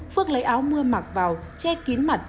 phước lấy áo mưa mặc vào che kín mặt